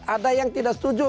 ada yang tidak setuju